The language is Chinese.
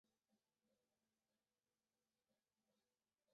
卢森堡市历史博物馆是位于卢森堡首都卢森堡市的一座博物馆。